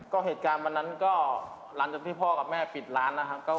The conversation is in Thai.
ก็เหตุการณ์วันนั้นก็หลังจากที่พ่อกับแม่ปิดร้านนะครับ